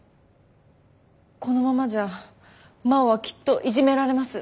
このままじゃ真央はきっとイジめられます。